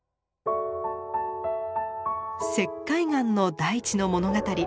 石灰岩の大地の物語。